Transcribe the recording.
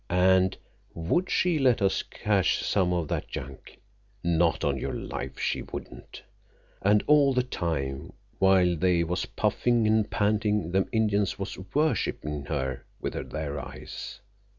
And would she let us cache some of that junk? Not on your life she wouldn't! And all the time while they was puffing an' panting them Indians was worshipin' her with their eyes.